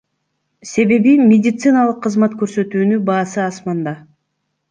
Себеби медициналык кызмат көрсөтүүнүн баасы асманда.